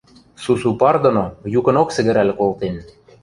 Сусу пар доно юкынок сӹгӹрӓл колтен: